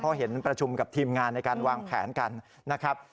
เพราะเห็นประชุมกับทีมงานในการวางแผนกันนะครับ